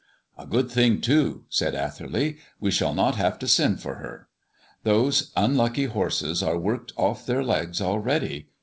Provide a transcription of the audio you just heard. "A good thing, too," said Atherley; "we shall not have to send for her. Those unlucky horses are worked off their legs already.